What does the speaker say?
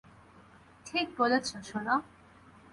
ঠিক বলেছ, সোনা।